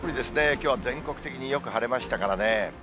きょうは全国的によく晴れましたからね。